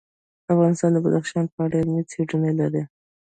افغانستان د بدخشان په اړه علمي څېړنې لري.